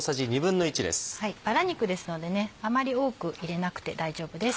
バラ肉ですのであまり多く入れなくて大丈夫です。